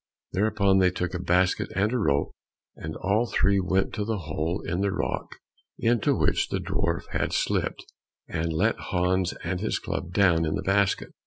Thereupon they took a basket and a rope, and all three went to the hole in the rock into which the dwarf had slipped, and let Hans and his club down in the basket.